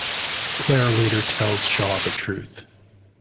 Clare later tells Shaw the truth.